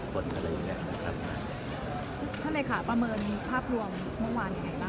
ท่านเลยข่าวประเมินภาพรวมแม้วันยังไงต่างไปรึเปล่า